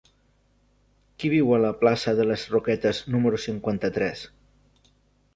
Qui viu a la plaça de les Roquetes número cinquanta-tres?